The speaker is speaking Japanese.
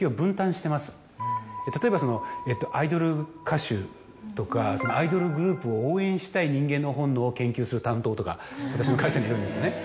例えばそのアイドル歌手とかアイドルグループを応援したい人間の本能を研究する担当とか私の会社にいるんですよね。